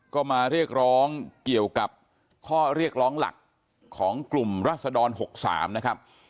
ก็มาเรียกร้องเกี่ยวกับข้อเรียกร้องหลักของกลุ่มรัศดร๖๓นะครับ